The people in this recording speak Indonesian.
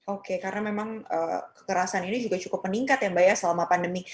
oke karena memang kekerasan ini juga cukup meningkat ya mbak ya selama pandemi